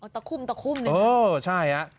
ตะคุ่มนี่หรือเปล่าอ๋อใช่